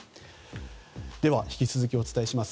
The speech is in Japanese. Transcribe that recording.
では、引き続きお伝えします。